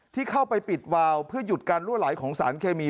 ที่เข้าไปปิดวาวเพื่อหยุดการลั่วไหลของสารเคมี